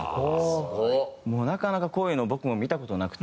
もうなかなかこういうの僕も見た事なくて。